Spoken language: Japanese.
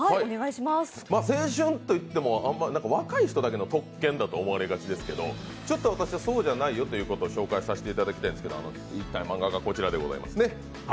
青春といっても、若い人たちの特権だと思われがちですけどちょっとそうじゃないよということを紹介させていただきたいんですけど、そのマンガがこちらです。